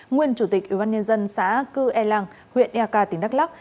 nguyên chủ tịch ubnd xã cư e làng huyện ea ca tỉnh đắk lắk